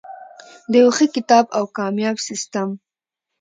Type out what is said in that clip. د یو ښه او کامیاب سیستم.